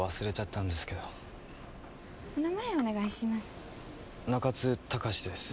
お名前お願いします。